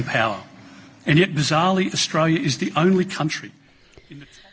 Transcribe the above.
dan sejauh ini australia adalah negara yang terbukti